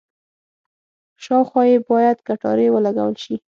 شاوخوا یې باید کټارې ولګول شي.